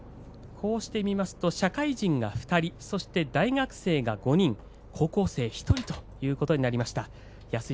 こうして見ますと、社会人が２人大学生が５人高校生が１人ということになりました。